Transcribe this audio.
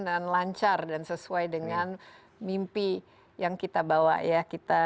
dan lancar dan sesuai dengan mimpi yang kita bawa ya